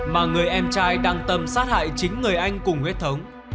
mà người em trai đang tâm sát hại chính người anh cùng huyết thống